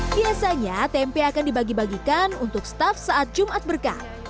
biasanya tempe akan dibagi bagikan untuk staff saat jumat berkah